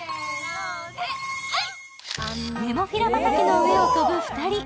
ネモフィラ畑の上を飛ぶ２人。